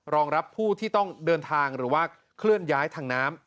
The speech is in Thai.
รองรับผู้ที่ต้องเดินทางหรือว่าเคลื่อนย้ายทางน้ำ